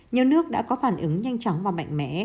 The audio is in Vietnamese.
nhiều nước đã có phản ứng nhanh chóng và mạnh mẽ